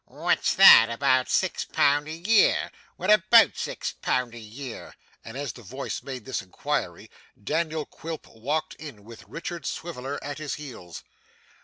'What's that about six pound a year? What about six pound a year?' And as the voice made this inquiry, Daniel Quilp walked in with Richard Swiveller at his heels.